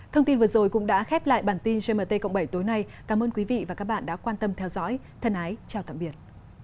thông tin vừa rồi cũng đã khép lại bản tin gmt cộng bảy tối nay cảm ơn quý vị và các bạn đã quan tâm theo dõi thân ái chào tạm biệt